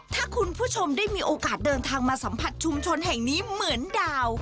ถ้าคุณผู้ชมได้มีโอกาสเดินทางมาสัมผัสชุมชนแห่งนี้เหมือนดาว